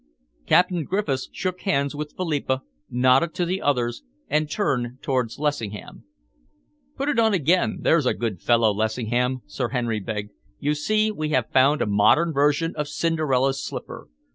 Captain Griffiths shook hands with Philippa, nodded to the others, and turned towards Lessingham. "Put it on again, there's a good fellow, Lessingham," Sir Henry begged. "You see, we have found a modern version of Cinderella's slipper.